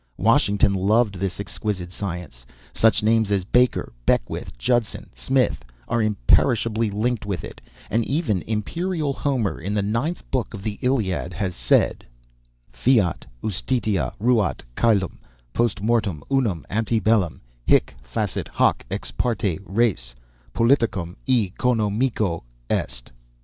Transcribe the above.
Washington loved this exquisite science; such names as Baker, Beckwith, Judson, Smith, are imperishably linked with it; and even imperial Homer, in the ninth book of the Iliad, has said: Fiat justitia, ruat coelum, Post mortem unum, ante bellum, Hic facet hoc, ex parte res, Politicum e conomico est.